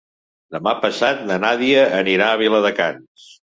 Demà passat na Nàdia anirà a Viladecans.